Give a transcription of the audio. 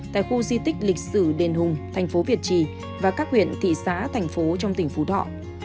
tại khu di tích lịch sử đền hùng thành phố việt trì và các huyện thị xã thành phố trong tỉnh phú thọ